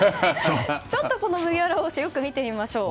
この麦わら帽子よく見てみましょう。